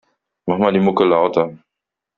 Mach mal die Mucke lauter.